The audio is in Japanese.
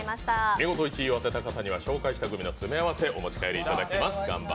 見事１位を当てた方にはグミの詰め合わせをお持ち帰りいただきます。